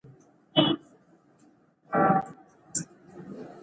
غابي وايي چې مور سره روژه یې ارام کړ.